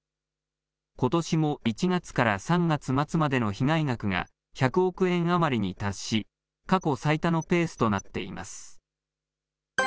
ことしも１月から３月末までの被害額が１００億円余りに達し、過去最多のペースとなっています。